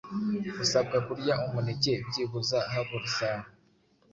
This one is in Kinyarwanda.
Usabwa kurya umuneke byibuze habura isaha